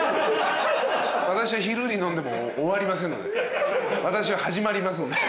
私は昼に飲んでも終わりませんので。